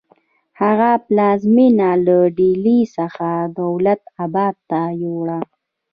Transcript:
هغه پلازمینه له ډیلي څخه دولت اباد ته یوړه.